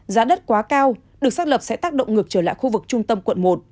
giá đất quá cao được xác lập sẽ tác động ngược trở lại khu vực trung tâm quận một